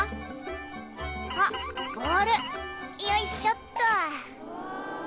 よいしょっと。